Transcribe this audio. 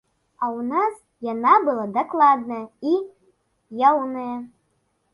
А ў нас яна была дакладная і яўная.